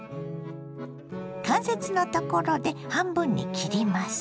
関節のところで半分に切ります。